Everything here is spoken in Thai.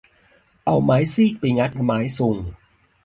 เอาไม้ซีกไปงัดไม้ซุง